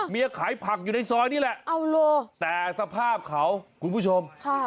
ขายผักอยู่ในซอยนี่แหละแต่สภาพเขาคุณผู้ชมค่ะ